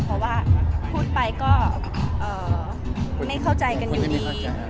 เพราะว่าพูดไปก็ไม่เข้าใจกันอยู่ดี